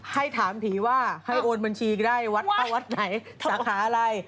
ให้ถามผีว่าให้โอนบัญชีก็ได้วัดเข้าวัดไหนสาขาอะไร